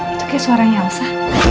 itu kayak suaranya elsa